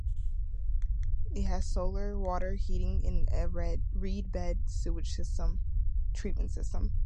It has solar water heating and a reed-bed sewage treatment system.